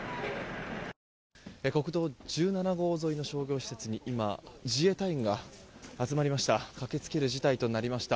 国道１７号沿いの商業施設に今、自衛隊員が集まりました。